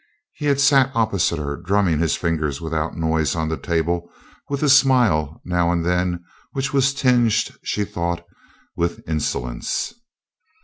He had sat opposite her, drumming his fingers without noise on the table, with a smile now and then which was tinged, she thought, with insolence.